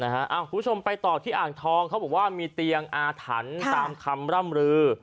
คุณผู้ชมไปต่อที่อ่างทองเขาบอกว่ามีเตียงอาถรรพ์ตามคำร่ำรือ